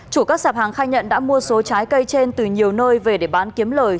chủ các sạp hàng khai nhận đã mua số trái cây trên từ nhiều nơi về để bán kiếm lời